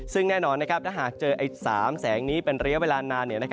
ซึ่งแน่นอนถ้าหากเจอ๓แสงนี้เป็นระยะเวลานาน